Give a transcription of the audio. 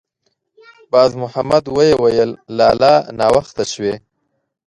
باز محمد ویې ویل: «لالا! ناوخته شوې.»